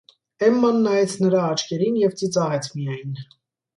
Էմման նայեց նրա աչքերին և ծիծաղեց միայն: